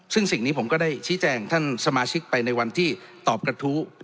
ซึ่งสิ่งนี้ผมก็ได้ชี้แจงท่านสมาชิกไปในวันที่ตอบกระทู้